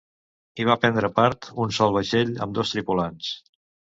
Hi va prendre part un sol vaixell amb dos tripulants.